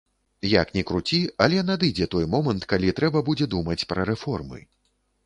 Як ні круці, але надыдзе той момант, калі трэба будзе думаць пра рэформы.